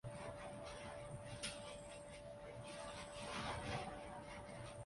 بس اگر ہے تو صرف دکھاوا اور بناوٹ